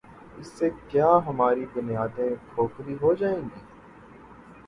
اس سے کیا ہماری بنیادیں کھوکھلی ہو جائیں گی؟